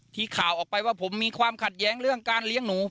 ข่าวออกไปว่าผมมีความขัดแย้งเรื่องการเลี้ยงหนู